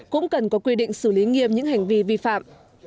cũng cần có quy định xử lý nghiêm những hành vi vi phạm